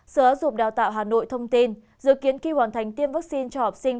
sở giáo dục đào tạo hà nội thông tin dự kiến khi hoàn thành tiêm vaccine cho học sinh